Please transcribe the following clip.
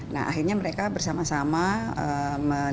nah akhirnya mereka bersama sama menurunkan alat peragat tersebut